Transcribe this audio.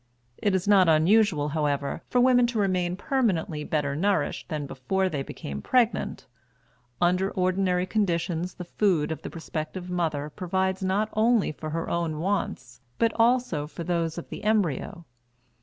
It is not unusual, however, for women to remain permanently better nourished than before they became pregnant. Under ordinary conditions the food of the prospective mother provides not only for her own wants but also for those of the embryo.